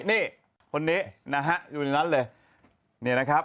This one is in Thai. นี่คนนี้นะฮะอยู่ในนั้นเลยนี่นะครับ